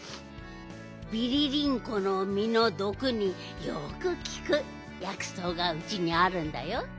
ビリリンコのみのどくによくきくやくそうがうちにあるんだよ。